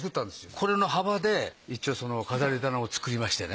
これの幅で一応飾り棚を作りましてね。